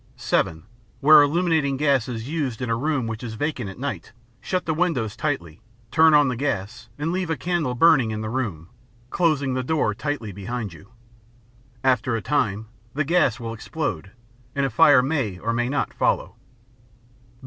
(7) Where illuminating gas is used in a room which is vacant at night, shut the windows tightly, turn on the gas, and leave a candle burning in the room, closing the door tightly behind you. After a time, the gas will explode, and a fire may or may not follow.